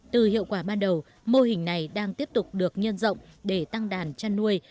từ hiệu quả ban đầu mô hình này đang tiếp tục được nhân rộng để tăng đàn chăn nuôi